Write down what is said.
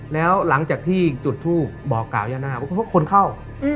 แล้วหลังจากที่จุดทูปบอกกล่าวย่านาคว่าคนเข้า